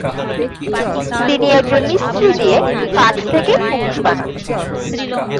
তিনি একজন মিস্ত্রি দিয়ে কাঠ থেকে মুখোশ বানান।